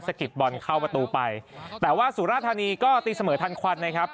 กิดบอลเข้าประตูไปแต่ว่าสุราธานีก็ตีเสมอทันควันนะครับ